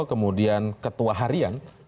kemudian ketua harian